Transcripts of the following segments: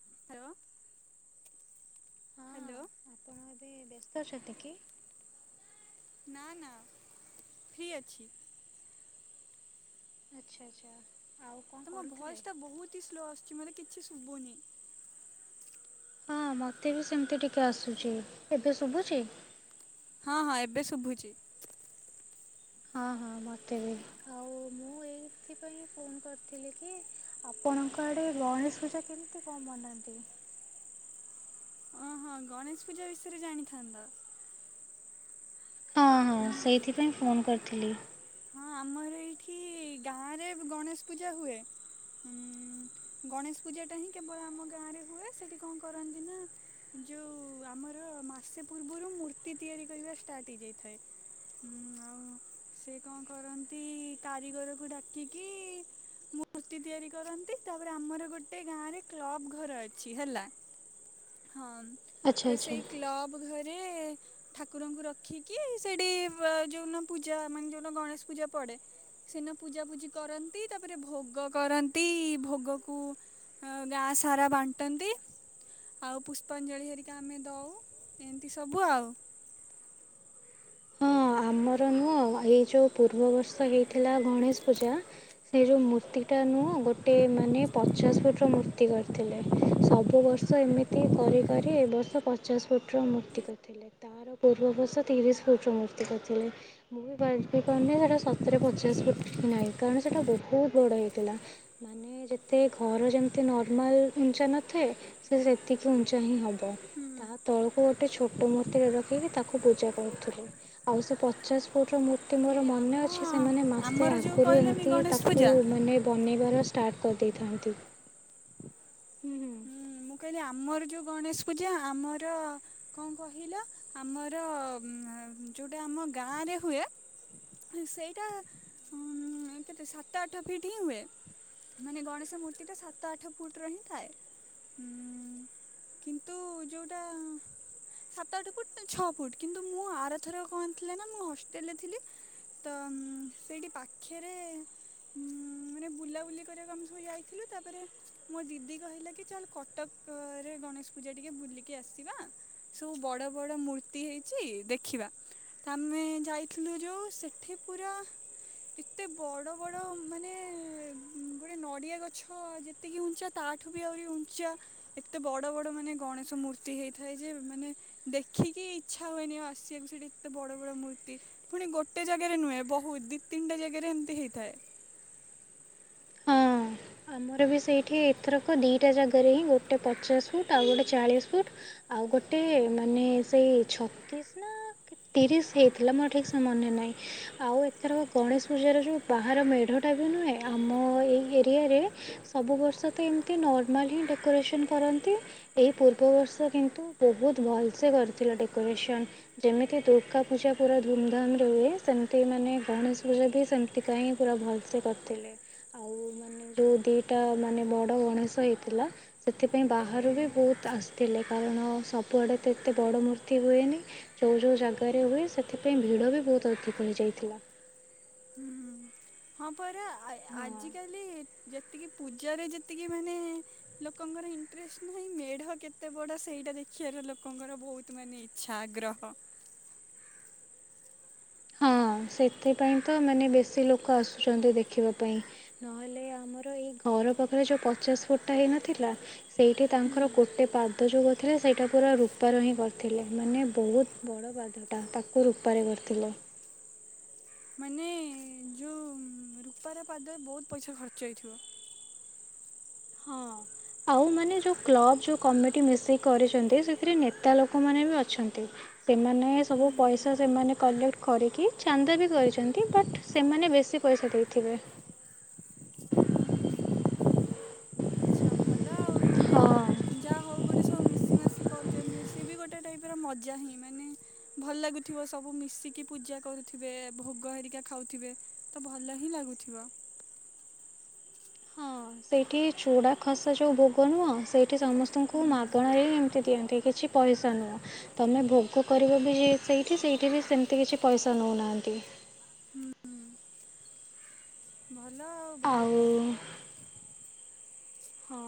ଖାଇବ। ହଁ ହାଲୋ। ଆପଣ ଏବେ ବ୍ୟସ୍ତ ଅଛନ୍ତି କି? ନା ନା ଫ୍ରି ଅଛି। ଆଛା ଆଛା। ତମ ଭଏସ ଟା ବୋହୁତୀ ହି ସ୍ଲୋ ଆସୁଛି ମତେ କିଛି ଶୁଭୁନି। ହଁ ମତେ ବି ସେମିତି ଟିକେ ଆସୁଛି ଏବେ ଶୁଭୁଛି। ହଁ ହଁ ଏବେ ଶୁଭୁଛି। ହଁ ହଁ ମୋତେ ବି ଆଉ ମୁଁ ଏଇଥିପାଇଁ ଫୋନ୍ କରିଥିଲି କି ଆପଣଙ୍କ ଆଡ଼େ ଗଣେଶ ପୂଜା କେମିତି କଣ ବନାନ୍ତି? ହଁ ହଁ ଗଣେଶ ପୂଜା ବିଷୟରେ ଜାଣିଥାନ୍ତ। ହଁ ହଁ ନା। ସେଇଥିପାଇଁ ଫୋନ୍ କରିଥିଲି। ହଁ ଆମର ଏଇଠି ଗାଁ ରେ ଗଣେଶ ପୂଜା ହୁଏ। ହୁଁ ଗଣେଶ ପୂଜା ଟା ହିଁ କେବଳ ଆମ ଗାଁ ରେ ହୁଏ। ସେଠି କଣ କରନ୍ତି ନା ଯୋଉ ଆମର ମାସେ ପୂର୍ବରୁ ମୂର୍ତ୍ତି ତିଆରି କରିବା ଷ୍ଟାର୍ଟ ହେଇଯାଇଥାଏ। ହୁଁ ଆଉ ସେ କଣ କରନ୍ତି କାରିଗରକୁ ଡାକିକି ମୂର୍ତ୍ତି ତିଆରି କରନ୍ତି। ତାପରେ ଆମର ଗୋଟେ ଗାଁ ରେ କ୍ଲବ ଘର ଅଛି ହେଲା। ହଁ ଆଚ୍ଛା ତ ଆଚ୍ଛା। ସେଇ କ୍ଲବ ସବୁ ଘରେ ଠାକୁରଙ୍କୁ ରଖିକି ସେଠି ଯୋଉ ଦିନ ପୂଜା ମାନେ ଯୋଉଟା ଗଣେଶ ପୂଜା ପଡେ। ସେଦିନ ପୂଜାପୂଜି କରନ୍ତି ତାପରେ ଭୋଗ କରନ୍ତି। ଭୋଗକୁ ଗାଁ ସାରା ବାଣ୍ଟନ୍ତି। ଆଉ ପୁଷ୍ପାଞ୍ଜଳି ହେରିକା ଆମେ ଦଉ ଏମିତି ସବୁ ଆଉ। ହଁ ଆମର ନୁଅ ଏଇ ଯୋଉ ପୂର୍ବବର୍ଷ ହେଇଥିଲା ଗଣେଶ ପୂଜା। ସେ ଯୋଉ ମୂର୍ତ୍ତି ଟା ନୁହଁ ଗୋଟେ ମାନେ ପଚାଶ ଫୁଟ ର ମୂର୍ତ୍ତି କରିଥିଲେ। ସବୁ ବର୍ଷ ତ ଏମିତି କରିବାରେ ଏ ବର୍ଷ ପଚାଶ ଫୁଟୁର ମୂର୍ତ୍ତି କରିଥିଲେ। ତାର ପୂର୍ବବର୍ଷ ତିରିଶ ଫୁଟୁର ମୂର୍ତ୍ତି କରିଥିଲେ। ମୁଁ ଭାବିପାରୁନି ସେଟା ସତରେ ପଚାଶ ଫୁଟୁ କି ନାହିଁ। କାରଣ ସେଟା ବୋହୁତ ବଡ ହେଇଥିଲା। ମାନେ ଯେତେ ଘର ଯେମିତି ନର୍ମାଲ ଉଞ୍ଚା ନଥାଏ। ସେ ସେତିକି ଉଞ୍ଚା ହିଁ ହେବ। ହୁଁ। ତା ତଳକୁ ଗୋଟେ ଛୋଟ ମୁର୍ତ୍ତିଟେ ରଖିକି ତାକୁ ପୂଜା କରୁଥିଲୁ। ଆଉ ସେ ପଚାଶ ଫୁଟ ର ମୁ ର୍ତ୍ତି ମୋର ନାଇଁ ଆମ ମନେ ଅଛି ସେମାନେ ମାସେ ଆମର ଯୋଉ ଆଗରୁ କହିଲନି ଏମିତି ଗଣେଶ ତାକୁ ପୂଜା ମାନେ ବନେଇବାର ଷ୍ଟାର୍ଟ କରିଦେଇଥାନ୍ତି। ହୁଁ ମୁଁ କହିଲି ଆମର ଯୋଉ ଗଣେଶ ପୂଜା ଆମର କଣ କହିଲ ଆମର ଯୋଉଟା ଆମ ଗାଁ ରେ ହୁଏ ସେଇଟା କେତେ ସାତ ଆଠ ଫିଟ୍ ହିଁ ହୁଏ। ମାନେ ଗଣେଶ ମୂର୍ତ୍ତି ଟା ସାତ ଆଠ ଫୁଟ ର ହିଁ ଥାଏ। ଉଁ କିନ୍ତୁ ଯୋଉଟା ସାତ ଆଠ ଫୁଟ ଛଅ ଫୁଟ କିନ୍ତୁ ମୁଁ ଆରଥର କଣ ଥିଲା ନା ମୁଁ ହଷ୍ଟେଲ ରେ ଥିଲି ତ ମ ସେଇଠି ପାଖରେ। ଉଁ ମାନେ ବୁଲାବୁଲି କରିବାକୁ ଆମେ ସବୁ ଯାଇଥିଲୁ ତାପରେ। ମୋ ଦିଦି କହିଲା କି ଚାଲ କଟକରେ ଗଣେଶ ପୂଜା ଟିକେ ବୁଲିକି ଆସିବା। ସବୁ ବଡ ବଡ ମୂର୍ତ୍ତି ହେଇଚି ଦେଖିବା ତ ଆମେ ଯାଇଥିଲୁ ଯୋଉ ସେ ଠୀ ପୁରା। ଏତେ ବଡ ବଡ ମାନେ ଗୋଟେ ନଡିଆ ଗଛ ଯେତିକି ଉଞ୍ଚା। ତା ଠୁ ବି ଆହୁରି ଉଞ୍ଚା ଏତେ ବଡ ବଡ ମାନେ ଗଣେଶ ମୂର୍ତ୍ତି ହେଇଥାଏ ଯେ ମାନେ। ଦେଖିକି ଇଚ୍ଛା ହୁଏନି ଆଉ ଆସିବାକୁ ସେଇଠି ଏତେ ବଡ ବଡ ମୂର୍ତ୍ତି ପୁଣି ଗୋ ଗୋଟେ ଜାଗାରେ ନୁହେଁ ବୋହୁତ ଦି ତିିନିଟା ଜାଗାରେ ଏମିତି ହେଇଥାଏ। ହଁ। ଆମର ବି ସେଇଠି ଏଥରକ ଦିଇଟା ଜାଗାରେ ହିଁ ଗୋଟେ ପଚାଶ ଫୁଟ ଆଉ ଗୋଟେ ଚାଳିଶ ଫୁଟ। ଆଉ ଗୋଟେ ମାନେ ସେଇ ଛତିଶ ନା। କି ତିରିଶ ହେଇଥିଲା ମୋର ଠିକ୍ ସେ ମନେ ନାହିଁ। ଆଉ ଏଥରକ ଗଣେଶ ପୂଜାର ଯୋଉ ବାହାର ମେଢଟା ଯୋଉ ନୁହେଁ ଆମ ଏଇ ଏରିଆରେ। ସବୁ ବର୍ଷ ତ ଏମିତି ନର୍ମାଲ ହିଁ ଡେକୋରେସନ୍ କରନ୍ତି। ଏହି ପୂର୍ବବର୍ଷ କିନ୍ତୁ ବହୁତ ଭଲ ସେ କରିଥିଲା ଡେକୋରେସନ୍। ଯେମିତି ଦୁର୍ଗା ପୂଜା ପୁରା ଧୁମଧାମ ରେ ହୁଏ ସେମିତି ମାନେ ଗଣେଶ ପୂଜା ବି ସେମି ମିଠା ହିଁ ପୁରା ଭଲସେ କରିଥିଲେ ଆଉ ମା ମାନେ ଯୋଉ ଦିଇଟା ମାନେ ବଡ଼ ଗଣେଶ ହେଇଥିଲା ସେଥିପାଇଁ ହୁଁ ବାହାରୁ ବି ବହୁତ। ଆସିଥିଲେ କାରଣ ସବୁଆଡ଼େ ତ ଏତେ ବଡ଼ ମୂର୍ତ୍ତି ହୁଏନି। ଯୋଉ ଯୋଉ ଜାଗାରେ ହୁଏ ସେଥିପାଇଁ ଭିଡ ବି ବୋହୁତ ଅଧିକ ହେଇଯାଇଥିଲା। ହୁଁ ହଁ ପରା ଆଇ ଆଜିକାଲି। ଯେତିକି ପୂଜାରେ ଯେତିକି ମାନେ। ଲୋକଙ୍କର ଇଣ୍ଟରେଷ୍ଟ ନାହିଁ ମେଢ କେତେ ବଢ ସେଇଟା ଦେଖିବାର ଲୋକଙ୍କର ବହୁତ ତ୍ ମାନେ ଇଚ୍ଛା ଆଗ୍ରହ। ହଁ ସେଥିପାଇଁ ତ ମାନେ ବେଶୀ ଲୋକ ଆସୁଚନ୍ତି ଦେଖିବା ପାଇଁ ନ ହେଲେ ଆ ଆମର ଏଇ ଘର ପାଖରେ ଯୋଉ ପଚାଶ ଫୁଟଟା ହେଇନଥିଲା ସେଇଠି ତାଙ୍କର ହୁଁ। ଗୋଟେ ପା ପାଦ ଯୋଉ କରିଥିଲେ ସେଇଟା ପୁରା ରୂପାର ହିଁ କରିଥିଲେ ମାନେ ବୋହୁତ ବଡ଼ ପାଦ। ଟା ତାକୁ ରୂପାରେ କରିଥିଲେ। ମାନେ ଯୋଉ ରୂପାର ପାଦ ବୋହୁତ ପଇସା ଖର୍ଚ୍ଚ ହେଇଥିବ। ହଁ। ଆଉ ମାନେ ଯୋଉ କ୍ଲବ ଯୋଉ କମିଟି ମିଶିକି କରିଛନ୍ତି ସେଥିରେ ନେତା ଲୋକମାନେ ବି ଅଛନ୍ତି। ସେମାନେ ହୁଁ ସବୁ ହୁଁ। ପଇସା ସେମାନେ କଲେକ୍ଟ। କରିକି ଚାନ୍ଦା ବି କରିଛନ୍ତି ବଟ୍ ସେମାନେ ବେଶୀ ପଇସା ଦେଇଥିବେ। ହୁଁ ହୁଁ। ଆଚ୍ଛା ଭଲ ଆଉ ମାନେ ହଁ। ଯାହା ହଉ ଗୋଟେ ସବୁ ମିଶି ମାସି। କରୁଛନ୍ତି ସେଏ ବି ଗୋଟେ ଟାଇପ ର ମଜା ହିଁ ମାନେ। ଭଲ ଲାଗୁଥିବ ସବୁ ମିଶିକି ପୂଜା କରୁଥିବେ ଭୋଗ ହେରିକା ଖାଉଥିବେ। ତ ଭଲ ହିଁ ଲାଗୁଥିବ। ହଁ। ସେଇଠି ଚୁଡ଼ା ଖସା ଯୋଉ ଭୋଗ ନୁହଁ ସେଇଠି ସମସ୍ତଙ୍କୁ ହୁଁ ମାଗଣାରେ ଏମିତି ଦିଅନ୍ତି କିଛି। ପଇସ ନୁହଁ। ତମେ ଭୋଗ କରିବ ବି ସେଇଠି ସେଇଠି ବି ସେମିତି କିଛି ପଇସା ନଉନାହାନ୍ତି। ହୁଁ ହୁଁ। ଭଲ ଆଉ ଭଲ ତାହେଲେ। ହଁ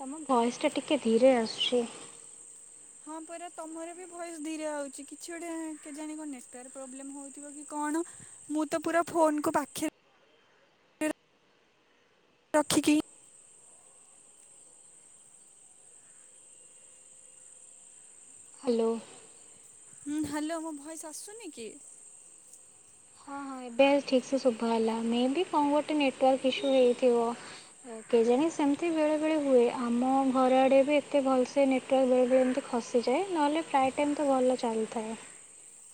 ତମ ଭଏସ ଟା ଟିକେ ଧିରେ ଆସୁଛି। ହଁ ପରା ତମର ବି ଭଏସ ଧୀରେ ହଉଛି। କିଛି ଗୋଟେ କେଜାଣି କଣ ନେଟୱର୍କ ପ୍ରୋବଲେମ ହଉଥିବ କି କଣ। ମୁଁ ତ ପୁରା ଫୋନ୍ କୁ ପାଖେ ରଖିକି ହ୍ୟାଲୋ ହୁଁ ହ୍ୟାଲୋ ମୋ ଭଏସ ଆସୁନି କି? ହଁ ହଁ ଏବେ ଠିକ୍ ସେ ଶୁଭ ହେଲା ମେ ବି କଣ ଗୋଟେ ନେଟୱାର୍କ ଇସ୍ୟୁ ହେଇଥିବ। କେଜାଣି ସେମିତି ବେଳେ ବେଳେ ହୁଏ, ଆମ ଘର ଆଡ଼େ ବି ଏତେ ଭଲସେ ନି ନେଟୱର୍କ ବେଳେବେଳେ ଏମିତି ଖସିଯାଏ, ନହେଲେ ପ୍ରାୟ ଟାଇମ ତ ଭଲ ଚାଲୁଥାଏ।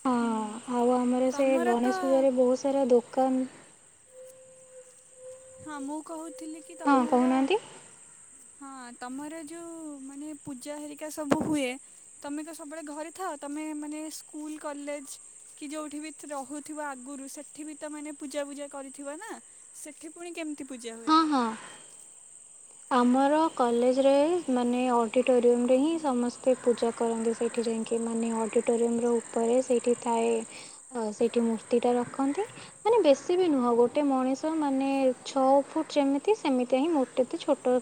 ହଁ ହୁଁ ଆଉ ଆମର ସେ ତମର ତ ଗଣେଶ ପୂଜାରେ ବହୁତ ସାରା ଦୋକାନ ହଁ ମୁଁ କହୁଥିଲି କି ହଁ ତମର କହୁନାହାନ୍ତି ହଁ ତମର ଯୋଉ ମାନେ ପୂଜା ହେରିକା ସବୁ ହୁଏ ତମେ ତ ସବୁବେଳେ ଘରେ ଥାଅ। ତମେ ମାନେ ସ୍କୁଲ କଲେଜ କି ଯୋଉଠି ବି ରହୁଥିବ ଆଗରୁ ସେଠୀ ବି ତ ମାନେ ପୂଜା ପୂଜା କରିଥିବ ନା। ସେଠି ପୁଣି କେମିତି ପୂଜା ହୁଏ? ହଁ ହଁ ଆମର କଲେଜରେ ମାନେ ଅଡ଼ିଟୋରିୟମ ରେ ହିଁ ସମସ୍ତେ ପୂଜା କରନ୍ତି। ସେଠୀ ଯାଇଁକି ମମି ଅଡିଟୋରୁମ୍ ଯୋଉ ଉପରେ ସେଇଠି ଥାଏ। ହଉ ସେଇଠି ମୂର୍ତ୍ତିଟା ରଖନ୍ତି। ମାନେ ବେଶୀ ବି ନୁହଁ ଗୋଟେ ମଣିଷ ମାନେ ଛଅ ଫୁଟ ଯେମିତି ସେମିତି ହିଁ ମୋଟେ ମତେ ଛୋଟ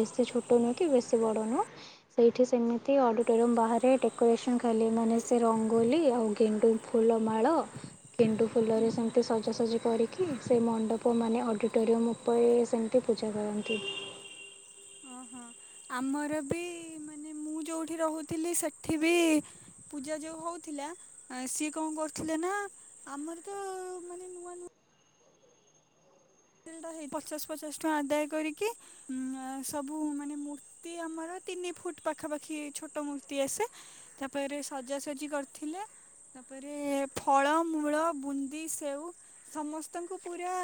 ବେଶୀ ଛୋଟ ନୁହେଁ କି ବେଶୀ ବଡ଼ ନୁହେଁ। ସେଇଠି ସେମିତି ଅଡ଼ିଟୋରିୟମ୍ ବାହାରେ ଡେକୋରେସନ୍ କଲେ, ମାନେ ସେଇ ରଙ୍ଗୋଲି ଓ ଗେଣ୍ଡୁ ଫୁଲମାଳ କେଣ୍ଡୁ ଫୁଲରେ ହୁଁ ସେମିତି ସଜାସଜି କରିକି କି ସେ ମଣ୍ଡପ ମାନ ଅଡ଼ିଟୋରିୟମ୍ ଉପରେ ସେମିତି ପୂଜା କରନ୍ତି। ଓହୋ ଆମର ବି ମାନେ ମୁଁ ଯୋଉଠି ରହୁଥିଲି ସେଠି ବି ପୂଜା ଯୋଉ ହଉଥିଲା ସିଏ କଣ କରୁଥିଲେ ନା ଆମର ତ ମାନେ ନୂଆ ନୂଆ ପଚାଶ ପଚାଶ ଟଙ୍କା ଆଦାୟ କରିକି ସବୁ ମାନେ ମୁ ମୂର୍ତ୍ତି ଆମର ତିନି ଫୁଟ ପାଖାପାଖି ଛୋଟ ମୂର୍ତ୍ତି ଆସେ। ତାପରେ ସଜାସଜି କରିଥିଲେ ତାପରେ ଫଳମୂଳ, ବୁନ୍ଦୀ, ସେଓ ସମସ୍ତଙ୍କୁ ପୁରା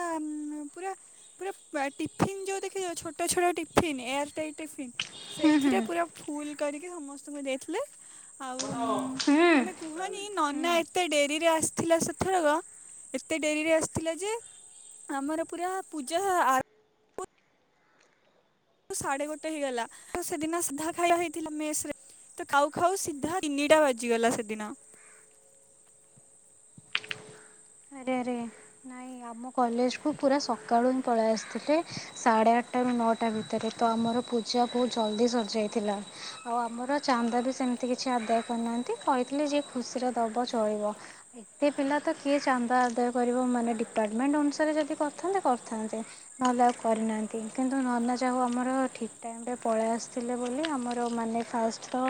ପୁରା ପୁରା ଟିଫିନ୍ ଯୋଉ ଦେଖା ଯାଉଛି ଛୋଟ ଛୋଟ ଟିଫିନ୍ ଏୟାର ଷ୍ଟାଇଲ ଟିଫିନ୍ ହୁଁ ହୁଁ ସେଇଥିରେ ପୁରା ହୁଁ ଫୁଲ୍ କରିକି ସମସ୍ତଙ୍କୁ ଦେଇଥିଲେ। ଆଉ ତମେ କୁହନି ହୁଁ ନନା ଏ ଏତେ ଡେରିରେ ଆସିଥିଲା ସେଥରକ ଏତେ ଡେରିରେ ଆସିଥିଲା ଯେ, ଆମର ପୁରା ପୂଜା ଆ ସାଢେ ଗୋଟେ ହେଇଗଲା। ତ ସେଦିନ ସିଧା ଖାଇବା ହେଇଥିଲା ମେସରେ ତ କାଉ ଖାଉ ସିଧା ତିନିଟା ବାଜିଗଲା ସେଦିନ। ଆରେ ଆରେ ନାଇଁ ଆମ କଲେଜକୁ ପୁରା ସକାଳୁ ହିଁ ପଳେଇ ଆସିଥିଲେ, ସାଢ଼େ ଆଠଟା ରୁ ନଅଟା ଭିତରେ ତ ଆମର ପୂଜା ବହୁତ ଜଲ୍ଦି ସରିଯାଇଥିଲା। ଆଉ ଆମର ଚାନ୍ଦା ବି ସେମ କିଛି ଆଦାୟ କରିନାହାନ୍ତି, କହିଥିଲେ ଯେ ଖୁସିରେ ଦବ ଚଳିବ। [unintelligible] ଚାନ୍ଦା ଆଦାୟ କରିବ ମାନେ ଡିପାର୍ଟମେଣ୍ଟ ଅନୁସାରେ ଯଦି କରିଥାନ୍ତେ କରିଥାନ୍ତେ। ନ ଯାହା କରିନାହାନ୍ତି, କିନ୍ତୁ ନନା ଯାହାହଉ ଆମର ଠିକ୍ ଟାଇମରେ ପଳିଆସିଥିଲେ ବୋଲି ଆମର ମାନେ ଫାଷ୍ଟ ତ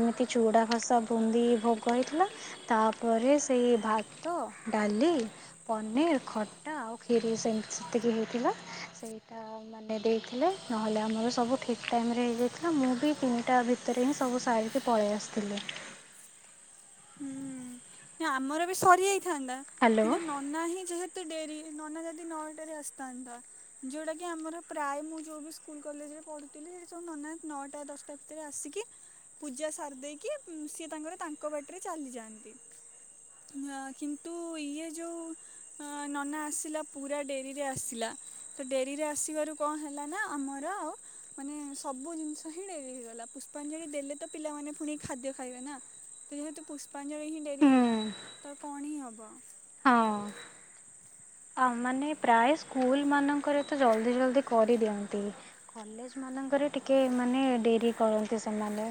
ଏମିତି ଚୁଡ଼ା ଘସା ବୁନ୍ଦି ଭୋଗ ହେଇଥିଲା ତାପରେ ସେଇ ଭାତ, ଡାଲି ପନିର, ଖଟା, ଆଉ କ୍ଷିରି ସେ ସେତିକି ହେଇଥିଲା ସେଇଟା ମାନେ ଦେଇଥିଲେ ନହେଲେ ଆମର ସବୁ ଠିକ୍ ଟାଇମ ରେ ହେଇଯାଇଥିଲା ମୁଁ ବି ତିନିଟା ଭିତରେ ହିଁ ସବୁ ସାରିକି ପଳେଇ ଆସିଥିଲେ ହୁଁ ନା ଆମର ବି ସରିଯାଇଥାନ୍ତା ହ୍ୟାଲୋ କିନ୍ତୁ ନ ନା ହିଁ ଯେହେତୁ ଡେରି ନନା ଯଦି ନଅ ଟାରେ ଆସିଥାନ୍ତା ଯୋଉଟା କି ଆମର ପ୍ରାୟ ମୁଁ ଯୋଉ ସ୍କୁଲ କଲେଜରେ ପଢୁଥିଲି ସେ ସବୁ ନ ନଅଟା ଦଶଟା ରେ ଆସିକି ପୂଜା ସାରି ଦେଇକି ସିଏ ତାଙ୍କର ତାଙ୍କ ବାଟିରେ ଚାଲିଯାଆନ୍ତି ଅ କିନ୍ତୁ ଇଏ ଯୋଉ ଅ ନନା ଆସିଲା ପୁରା ଡେରିରେ ଆସିଲା ତ ଡେରିରେ ଆସିବାରୁ କଣ ହେଲା ନା ଆମର ଆଉ ମାନେ ସବୁ ଜିନିଷ ହିଁ ଡେରି ହେଇଗଲା ପୁଷ୍ପାଞ୍ଜଳି ଦେଲେ ତ ପିଲାମାନେ ପୁଣି ଖାଦ୍ୟ ଖାଇବେ ନା ତ ଯେହେତୁ ପୁଷ୍ପାଞ୍ଜଳି ହିଁ ଡେରି ହୁଁ ହେଲା ତ କଣ ହିଁ ହବ ହଁ ଆଉ ମାନେ ପ୍ରାୟ ସ୍କୁଲ ମାନଙ୍କରେ ତ ଜଲ୍ଦି ଜଲଦି କରିଦିଅନ୍ତି କଲେଜ ମାନଙ୍କରେ ଟିକଏ ମାନେ ଡେରି କରନ୍ତି ସେମାନେ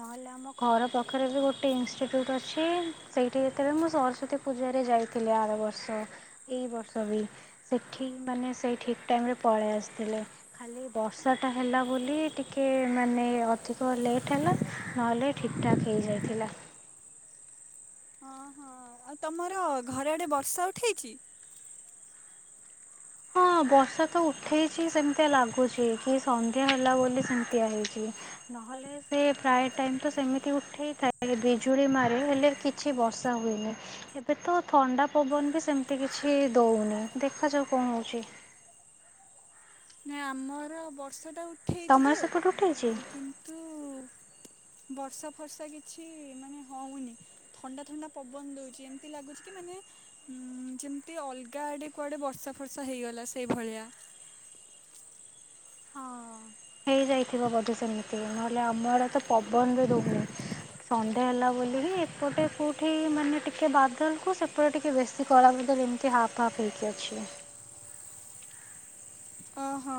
ନହେଲେ ଆମ ଘର ପାଖରେ ବି ଗୋଟେ ଇନଷ୍ଟିଟ୍ୟୁଟ୍ ଅଛି ସେଇଠି ଯେତେବେଳେ ମୁଁ ସରସ୍ଵତୀ ପୂଜାରେ ଯାଇ ଥିଲି ଆର ବର୍ଷ ଏ ବର୍ଷ ବି ସେଠି ମାନେ ସେଇ ଠିକ୍ ଟାଇମ୍ରେ ପଳେଇ ଆସିଥିଲେ ଖାଲି ବର୍ଷାଟା ହେଲା ବୋଲି ଟିକେ ମାନେ ଅଧିକ ଲେଟ୍ ହେଲା ନହେଲେ ଠିକ୍ ଠାକ୍ ହେଇଯାଇଥିଲା ହଁ ହଁ ଆଉ ତମର ଘର ଆଡେ ବର୍ଷା ଉଠେଇଛି ହଁ ବର୍ଷା ତ ଉଠେଇଛି ସେମିତିଆ ଲାଗୁଛି କି ସନ୍ଧ୍ୟା ହେଲା ବୋଲି ସେମିତିଆ ହେଇଛି ନହେଲେ ସେ ପ୍ରାୟ ଟାଇମ୍ ତ ସେମିତି ଉଠେଇଥାଏ ବିଜୁଳି ମାରେ ହେଲେ କିଛି ବର୍ଷା ହୁଏନି ଏବେ ତ ଥଣ୍ଡା ପବନ ବି ସେମିତି କିଛି ଦଉନି ଦେଖାଯାଉ କଣ ହଉଛି ନା ଆମର ବର୍ଷା ଟା ଉଠେଇଛି ତମର ଯେ ସେପଟେ ଉଠେଇଛି? କିନ୍ତୁ ବର୍ଷା ଫର୍ଷା କିଛି ମାନେ ହଉନି ଥଣ୍ଡା ଥଣ୍ଡା ପବନ ଦଉଛି ଏମିତି ଲାଗୁଛି କି ମାନେ ଉଁ ଯେମତି ଅଲଗା ଆଡେ କୁଆଡେ ବର୍ଷା ଫର୍ଷା ହେଇଗଲା ସେଇଭଳିଆ ହଁ ହେଇଯାଇଥିବ ବୋଧେ ସେମିତି ନହେଲେ ଆମ ଆଡେ ତ ପବନରେ ଦଉନି। ସନ୍ଧ୍ୟା ହେଲା ବୋଲିକି ଏପଟେ କୋଉଠି ମାନେ ଟିକେ ବାଦଲ କୁ ସେପଟେ ଟିକେ ବେଶୀ କଳା ବଦଲ ଏମିତି ତି ହାପ୍ ହାପ୍ ହେଇକି ଅଛି ଓହୋ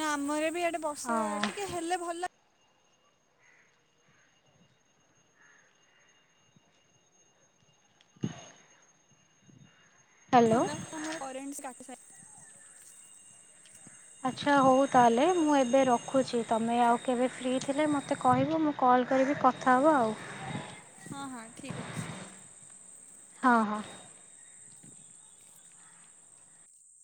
ନା ଆମର ବି ଆଡେ ହଁ ବର୍ଷା ଟିକେ ହେଲେ ଭଲ ଭଲ ହ୍ୟାଲୋ। ଲାଗନ୍ତା ଆମର କରେଣ୍ଟ କାଟି ଆଚ୍ଛା ହଉ ତାହେଲେ ମୁଁ ଏବେ ରଖୁଛି ତୁମେ ଆଉ କେବେ ଫ୍ରି ଥିଲେ ମୋତେ କହିବ ମୁଁ କଲ୍ କରିବି କଥା ହେବ ଆଉ ହଁ ହଁ ଠିକ୍ ଅଛି ହଁ ହଁ